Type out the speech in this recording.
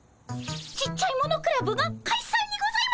ちっちゃいものクラブがかいさんにございますか？